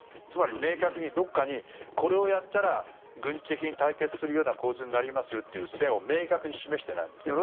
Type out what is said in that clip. つまり、明確にどこかにこれをやったら軍事的に対決するような構図になりますよという線を明確に示していないんです。